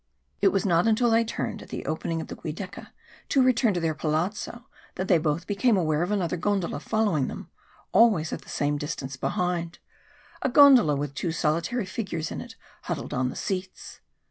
It was not until they turned at the opening of the Guidecca to return to their palazzo that they both became aware of another gondola following them, always at the same distance behind a gondola with two solitary figures in it huddled on the seats.